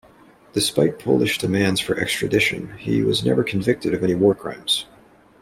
Despite Polish demands for extradition, he was never convicted of any war crimes.